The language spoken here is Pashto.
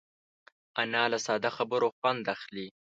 انا له ساده خبرو خوند اخلي